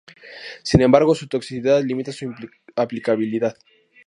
Sin embargo, su toxicidad limita su aplicabilidad.